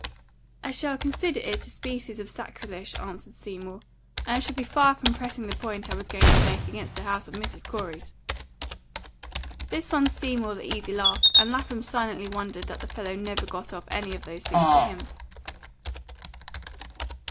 "I should consider it a species of sacrilege," answered Seymour, "and I shall be far from pressing the point I was going to make against a house of Mrs. Corey's." This won Seymour the easy laugh, and Lapham silently wondered that the fellow never got off any of those things to him.